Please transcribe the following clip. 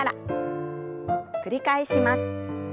繰り返します。